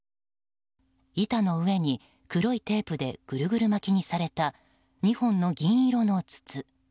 板の上に黒いテープでぐるぐる巻きにされた２本の銀色の筒。